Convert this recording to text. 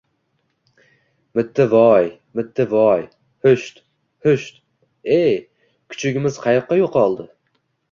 – Mittivoooy! Mittivoooy! Husht, husht! Iy, kuchugimiz qayoqqa yo‘qoldi?